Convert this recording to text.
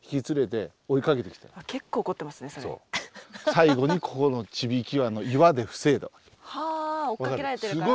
最後にここの千引岩の岩で防いだわけ。はあ追っかけられてるから。